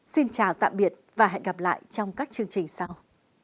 xin chào tạm biệt và hẹn gặp lại trong các chương trình sau